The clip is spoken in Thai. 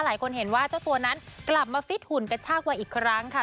หลายคนเห็นว่าเจ้าตัวนั้นกลับมาฟิตหุ่นกระชากวัยอีกครั้งค่ะ